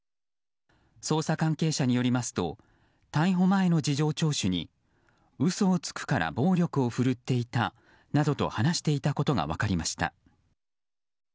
捜査関係者によりますと逮捕前の事情聴取に嘘をつくから暴力を振るっていたなどと話していたことが分かりました。